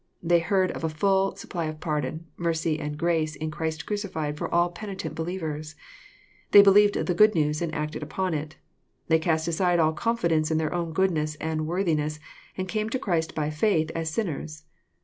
They heard of a full supply of pardon, mercy, and grace in Christ crucified for all penitent believers. They believecTlLhe good news and acted upon it. They cast aside all confidence in their own goodness and worthiness, and came to Christ by faith as sinners.